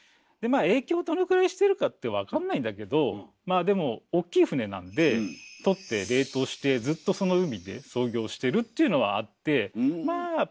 まあ影響どのくらいしてるかって分かんないんだけどまあでもおっきい船なんで取って冷凍してずっとその海で操業してるというのはあって。